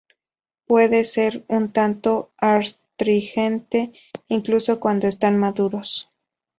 Puede ser un tanto astringentes, incluso cuando están maduros.